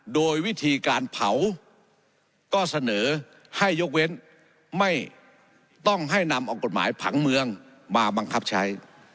โดยวิธีการเผาก็เสนอให้ยกเว้นไม่ต้องให้นำเอากฎหมายผังเมืองมาบังคับใช้